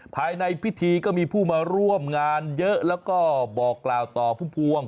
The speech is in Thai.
ภายในพิธีก็มีผู้มาร่วมงานเยอะแล้วก็บอกกล่าวต่อพุ่มพวง